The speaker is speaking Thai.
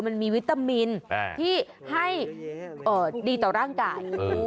วิตามินที่ให้ดีต่อร่างกาย